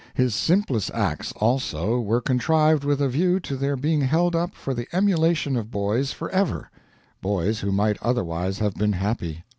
His simplest acts, also, were contrived with a view to their being held up for the emulation of boys forever boys who might otherwise have been happy.